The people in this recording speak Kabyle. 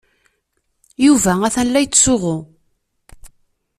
Yuba atan la yettsuɣu.